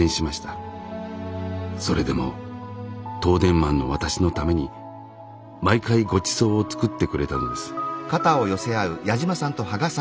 それでも東電マンの私のために毎回ごちそうを作ってくれたのです。